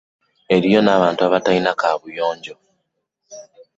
Eriyo n'abantu abatalina kaabuyonjo.